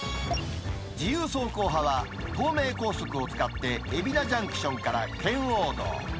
自由走行派は東名高速を使って、海老名ジャンクションから圏央道。